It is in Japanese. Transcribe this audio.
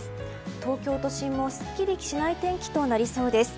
東京都心も、すっきりしない天気となりそうです。